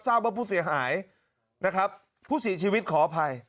ทราบว่าผู้เสียหายนะครับผู้เสียชีวิตขออภัย